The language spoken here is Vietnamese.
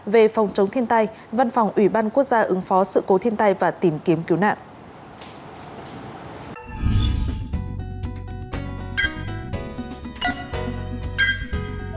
về phòng chống thiên tai văn phòng ủy ban quốc gia ứng phó sự cố thiên tai và tìm kiếm cứu nạn